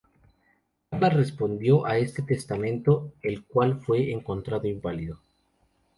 Karla respondió a este testamento, el cual fue encontrado inválido.